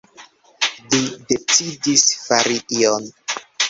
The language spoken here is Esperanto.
Li decidis „fari ion“.